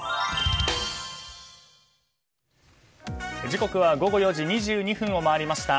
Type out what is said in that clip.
時刻は午後４時２２分を回りました。